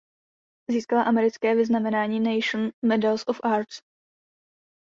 Získala americké vyznamenání "National Medal of Arts".